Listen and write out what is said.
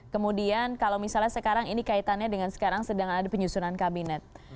kemudian kalau misalnya sekarang ini kaitannya dengan sekarang sedang ada penyusunan kabinet